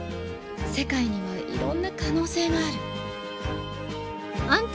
世界にはいろんな可能性がある。